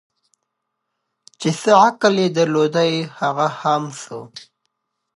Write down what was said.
چي څه عقل یې درلودی هغه خام سو